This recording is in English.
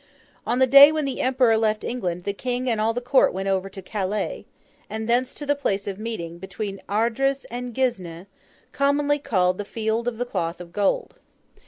On the day when the Emperor left England, the King and all the Court went over to Calais, and thence to the place of meeting, between Ardres and Guisnes, commonly called the Field of the Cloth of Gold.